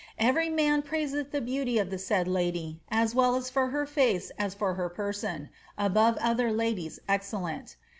Every man praiseth the beauty of the said lady, as well for her face as for her person, above other ladies excellent.